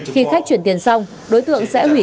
khi khách chuyển tiền xong đối tượng sẽ hủy